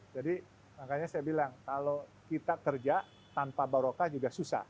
makanya saya bilang kalau kita kerja tanpa barokah juga susah